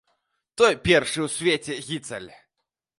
Той першы ў свеце гіцаль!